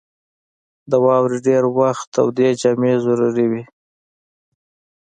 • د واورې پر وخت تودې جامې ضروري دي.